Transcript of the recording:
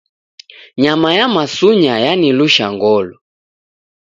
Nyama ya masunya yanilusha ngolo.